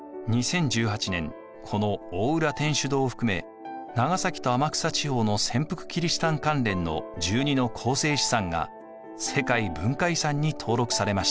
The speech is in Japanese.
２０１８年この大浦天主堂を含め長崎と天草地方の潜伏キリシタン関連の１２の構成資産が世界文化遺産に登録されました。